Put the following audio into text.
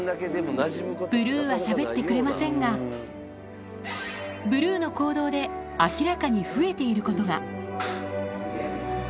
ブルーはしゃべってくれませんが、ブルーの行動で、明らかに増えていることが。